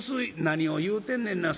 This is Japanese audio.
「何を言うてんねんな。